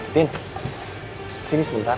tin sini sebentar